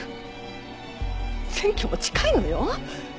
選挙も近いのよ。